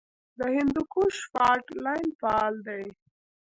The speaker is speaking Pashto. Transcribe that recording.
د هندوکش فالټ لاین فعال دی